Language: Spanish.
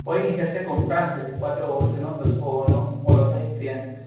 Puede iniciarse con frases de cuatro a ocho notas o notas estridentes.